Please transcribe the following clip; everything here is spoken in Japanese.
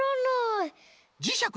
じしゃく